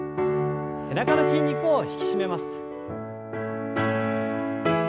背中の筋肉を引き締めます。